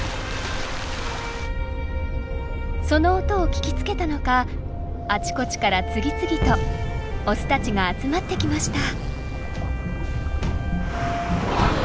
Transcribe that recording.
その音を聞きつけたのかあちこちから次々とオスたちが集まってきました。